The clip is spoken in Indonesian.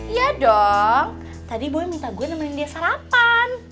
iya dong tadi boy minta gue nemenin dia sarapan